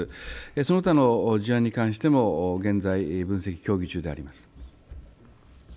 その他の事案に関しても、現在、分析、協議中であります。